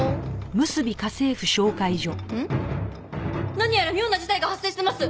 何やら妙な事態が発生してます！